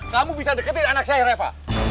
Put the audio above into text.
kamu bisa deketin anak saya reva